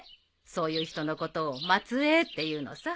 そういう人のことを末裔っていうのさ。